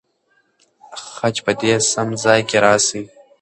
خج دې په سم ځای کې راسي.